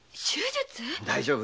大丈夫。